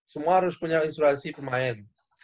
semua harus punya instruksi pemain